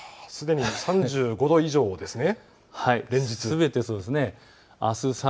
すでに３５度以上ですね。